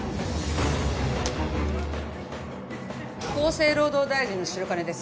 厚生労働大臣の白金です